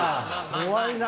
怖いな。